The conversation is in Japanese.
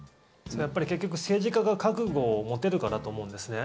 結局、政治家が覚悟を持てるかだと思うんです。